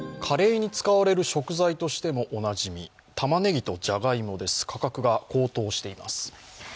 カレーに使われる食材としてもおなじみ、たまねぎとじゃがいもです、価格が高騰しています。